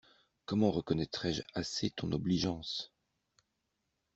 Comment reconnaitrai-je assez ton obligeance?